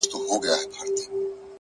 دا راته مه وايه چي تا نه منم دى نه منم،